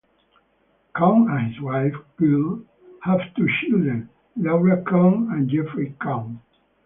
Kohn and his wife, Gail, have two children, Laura Kohn and Jeffrey Kohn.